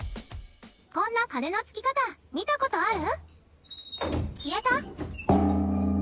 こんな鐘のつき方見たことある？